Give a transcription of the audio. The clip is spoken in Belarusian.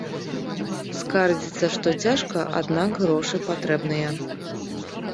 Скардзіцца, што цяжка, аднак грошы патрэбныя.